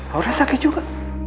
aura sakit juga